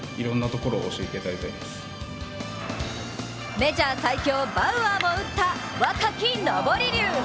メジャー最強バウアーも打った若き昇り竜。